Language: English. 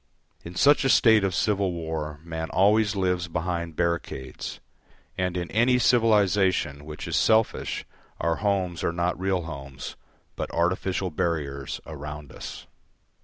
In such a state of civil war man always lives behind barricades, and in any civilisation which is selfish our homes are not real homes, but artificial barriers around us.